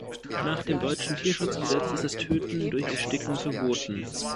Nach dem deutschen Tierschutzgesetz ist das Töten durch Ersticken verboten.